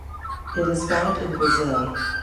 It is found in Brazil.